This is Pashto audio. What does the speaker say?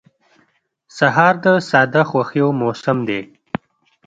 سهار د ساده خوښیو موسم دی.